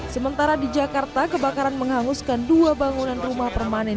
sementara di jakarta kebakaran menghanguskan dua bangunan rumah permanen